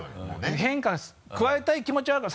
変化加えたい気持ちは分かる。